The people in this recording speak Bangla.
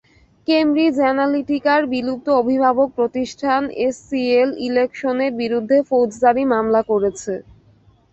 কেমব্রিজ অ্যানালিটিকার বিলুপ্ত অভিভাবক প্রতিষ্ঠান এসসিএল ইলেকশনের বিরুদ্ধে ফৌজদারি মামলা করেছে।